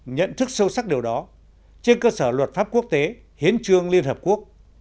nhận thức sâu sắc điều đó trên cơ sở luật pháp quốc tế hiến trương liên hợp quốc